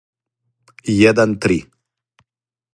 један три